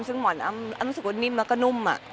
ซึ่งหมอนอ้ำรู้สึกว่านิ่มแล้วก็นุ่ม